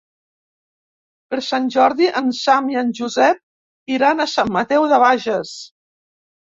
Per Sant Jordi en Sam i en Josep iran a Sant Mateu de Bages.